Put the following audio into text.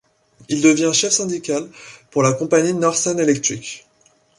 Il devient chef syndical pour la compagnie Northern Electric.